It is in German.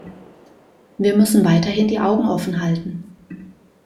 Wir müssen weiterhin die Augen offen halten.